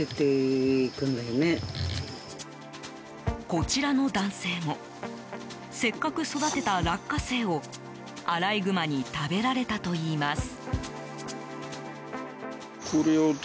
こちらの男性もせっかく育てた落花生をアライグマに食べられたといいます。